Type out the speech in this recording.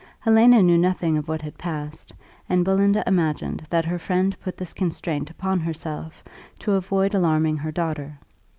Helena knew nothing of what had passed, and Belinda imagined that her friend put this constraint upon herself to avoid alarming her daughter.